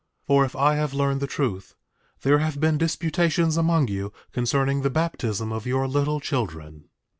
8:5 For, if I have learned the truth, there have been disputations among you concerning the baptism of your little children.